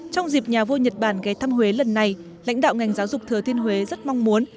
trong dịp nhà vua nhật bản ghé thăm huế lần này lãnh đạo ngành giáo dục thừa thiên huế rất mong muốn